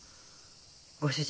ご主人